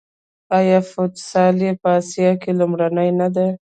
آیا فوټسال یې په اسیا کې لومړی نه دی؟